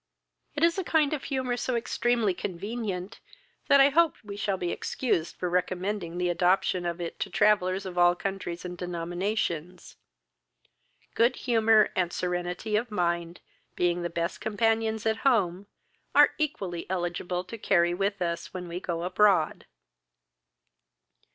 It is a kind of humour so extremely convenient, that I hope we shall be excused for recommending the adoption of it to travellers of all countries and denominations, good humour, and serenity of mind, being the best companions at home, are equally eligible to carry with us when we go abroad.